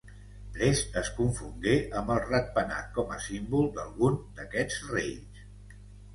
Prest es confongué amb el ratpenat com a símbol d’alguns d’aquests reis.